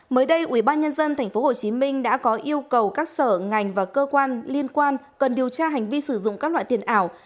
mới đây ubnd tp hcm đã có yêu cầu các sở ngành và cơ quan liên quan cần điều tra hành vi sử dụng các loại tiền ảo